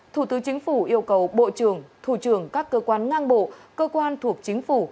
thủ tướng chính phủ yêu cầu bộ trưởng thủ trưởng các cơ quan ngang bộ cơ quan thuộc chính phủ